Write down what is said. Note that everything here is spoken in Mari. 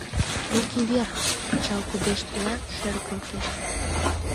— Ррруки вверх! — пычал пудештмыла шергылте.